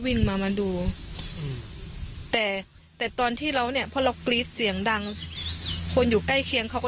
วิ่งมามาดูอืมแต่แต่ตอนที่เราเนี่ยพอเรากรี๊ดเสียงดังคนอยู่ใกล้เคียงเขาก็